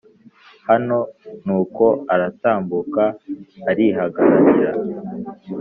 Hano nuko aratambuka arihagararira